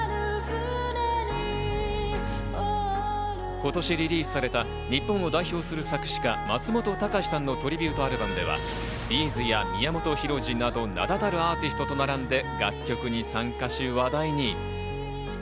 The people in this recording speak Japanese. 今年リリースされた日本を代表する作詞家・松本隆さんのトリビュートアルバムでは、Ｂｚや宮本浩次など名だたるアーティストと並んで楽曲に参加し話題に。